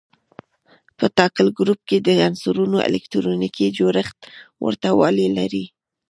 په ټاکلي ګروپ کې د عنصرونو الکتروني جوړښت ورته والی لري.